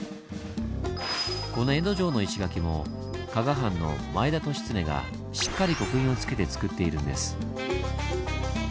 この江戸城の石垣も加賀藩の前田利常がしっかり刻印をつけてつくっているんです。